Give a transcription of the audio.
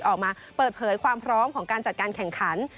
ออกมาเปิดเผยความพร้อมของการจัดการแข่งขัน